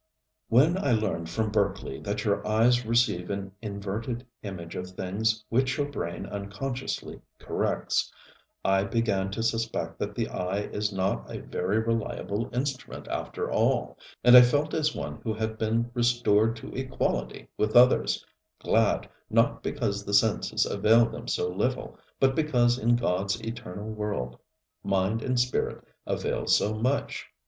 When I learned from Berkeley that your eyes receive an inverted image of things which your brain unconsciously corrects, I began to suspect that the eye is not a very reliable instrument after all, and I felt as one who had been restored to equality with others, glad, not because the senses avail them so little, but because in GodŌĆÖs eternal world, mind and spirit avail so much.